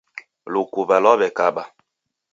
Lukuw'a lwaw'ekaba.